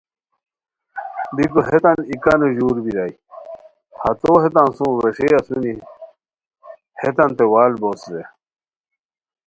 بیکو ہیتان ای کانو ژور بیرائے ہتو ہیتان سوم ویݰئے اسونی ہیتانتے وال بوس رے